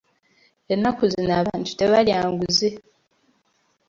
Ennaku zino abantu tebalya nguzi.